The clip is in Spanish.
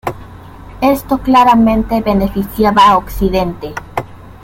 Esto claramente beneficiaba a occidente.